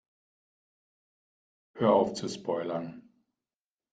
Hör auf zu spoilern!